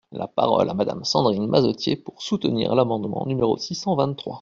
La parole est à Madame Sandrine Mazetier, pour soutenir l’amendement numéro six cent vingt-trois.